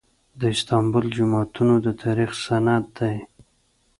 د استانبول جوماتونه د تاریخ سند دي.